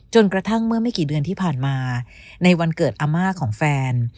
กระทั่งเมื่อไม่กี่เดือนที่ผ่านมาในวันเกิดอาม่าของแฟน